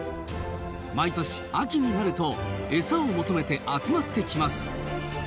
毎年秋になるとエサを求めて集まってきます。